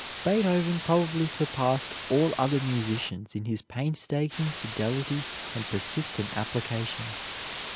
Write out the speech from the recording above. Beethoven probably surpassed all other musicians in his painstaking fidelity and persistent application.